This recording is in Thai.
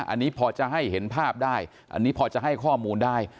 อันนี้พอจะให้เห็นภาพได้อันนี้พอจะให้ข้อมูลได้